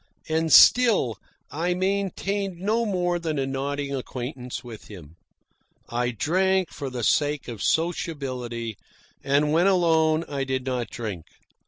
And still I maintained no more than a nodding acquaintance with him. I drank for the sake of sociability, and when alone I did not drink.